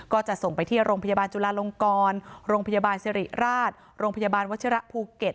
ก็จะส่งไปที่โรงพยาบาลจุลาลงกรโรงพยาบาลสิริราชโรงพยาบาลวัชิระภูเก็ต